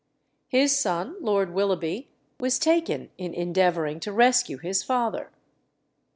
His son, Lord Willoughby, was taken in endeavouring to rescue his father.